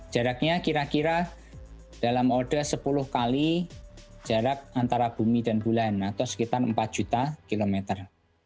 jaraknya kira kira dalam oda sepuluh kali jarak antara bumi dan bulan atau sekitar empat juta kilometer